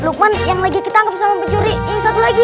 lukman yang lagi kita anggap sama pencuri ini satu lagi